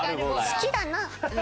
好きだな！